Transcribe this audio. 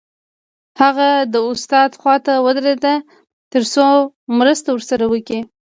هغه د استاد خواته ودرېد تر څو مرسته ورسره وکړي